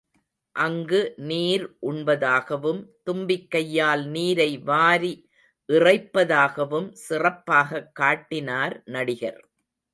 அங்கு நீர் உண்பதாகவும், தும்பிக்கையால் நீரை வாரி இறைப்பதாகவும் சிறப்பாகக் காட்டினார் நடிகர்.